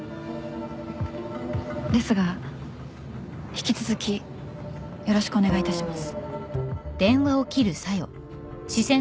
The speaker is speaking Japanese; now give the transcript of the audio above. ですが引き続きよろしくお願いいたします。